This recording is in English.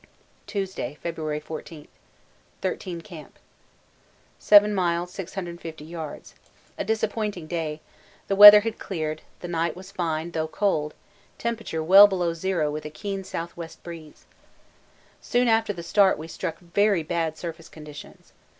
Tuesday, February 14. 13 Camp. 7 miles 650 yards. A disappointing day: the weather had cleared, the night was fine though cold, temperature well below zero with a keen S.W. breeze. Soon after the start we struck very bad surface conditions.